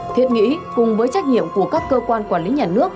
thiết nghĩ cùng với trách nhiệm của các cơ quan quản lý nhà nước